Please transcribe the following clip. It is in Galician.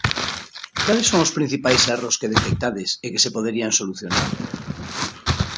Cales son os principais erros que detectades e que se poderían solucionar?